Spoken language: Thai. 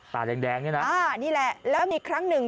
ตาแดงเนี่ยนะนี่แหละแล้วมีครั้งหนึ่ง